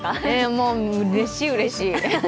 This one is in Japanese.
もう、うっれしい、うれしい。